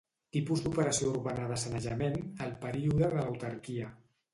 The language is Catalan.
Tipus d'operació urbana de sanejament al període de l'autarquia.